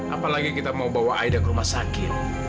apalagi kita mau bawa aida ke rumah sakit